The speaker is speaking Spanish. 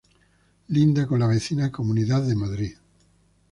Linda con la vecina Comunidad de Madrid.